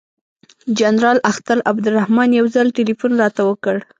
جنرال اختر عبدالرحمن یو ځل تلیفون راته وکړ.